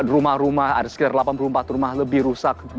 rumah rumah ada sekitar delapan puluh empat rumah lebih rusak